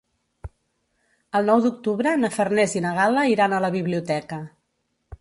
El nou d'octubre na Farners i na Gal·la iran a la biblioteca.